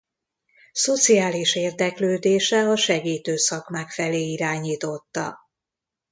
Szociális érdeklődése a segítő szakmák felé irányította.